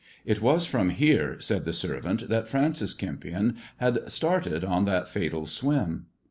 It was from here, said the servant, that Francis Kempion had started on that fatal swim.